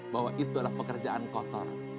bahwa itu adalah pekerjaan kotor